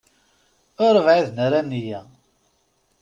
Ur bɛiden ara a nniya.